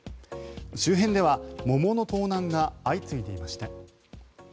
周辺では桃の盗難が相次いでいました。